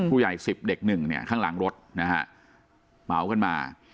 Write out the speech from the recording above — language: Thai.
สิบเด็กหนึ่งเนี่ยข้างหลังรถนะฮะเหมากันมา